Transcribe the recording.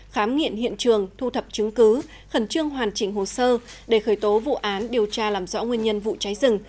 khám nghiệm hiện trường thu thập chứng cứ khẩn trương hoàn chỉnh hồ sơ để khởi tố vụ án điều tra làm rõ nguyên nhân vụ cháy rừng